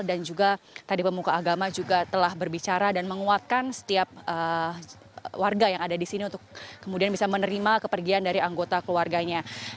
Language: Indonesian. dan juga tadi pemuka agama juga telah berbicara dan menguatkan setiap warga yang ada di sini untuk kemudian bisa menerima kepergian dari anggota keluarganya